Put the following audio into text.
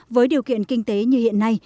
với điều kiện kinh tế như hiện nay